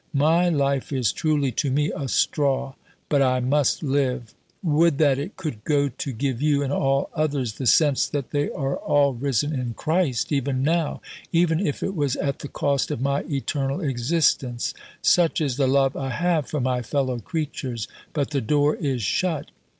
My life is truly to me a straw, but I must live. Would that it could go to give you and all others the sense that they are all risen in Christ even now, even if it was at the cost of my eternal existence such is the love I have for my fellow creatures, but the door is shut.